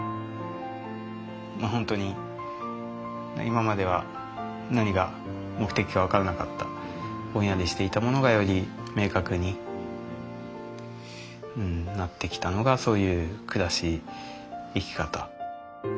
もう本当に今までは何が目的か分からなかったぼんやりしていたものがより明確になってきたのがそういう暮らし生き方。